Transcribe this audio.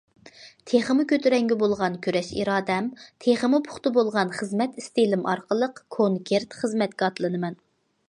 تېخىمۇ كۆتۈرەڭگۈ بولغان كۈرەش ئىرادەم، تېخىمۇ پۇختا بولغان خىزمەت ئىستىلىم ئارقىلىق كونكرېت خىزمەتكە ئاتلىنىمەن.